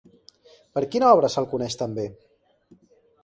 Per quina obra se'l coneix també?